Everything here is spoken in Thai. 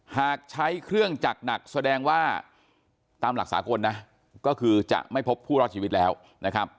หากใช้เครื่องจักรหนักแสดงว่าตามหลักสากลนะก็คือจะไม่พบผู้รอดชีวิตแล้วนะครับ